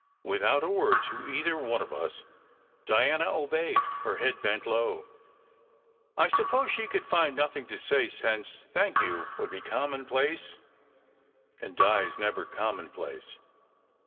Without a word to either of us, Diana obeyed, her head bent low. I suppose she could find nothing to say, since "Thank you" would be commonplace: and Di is never commonplace.